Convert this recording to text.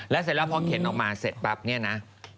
เสร็จแล้วพอเข็นออกมาเสร็จปั๊บเนี่ยนะ